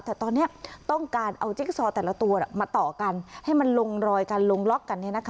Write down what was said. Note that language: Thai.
แต่ตอนนี้ต้องการเอาจิ๊กซอแต่ละตัวมาต่อกันให้มันลงรอยกันลงล็อกกัน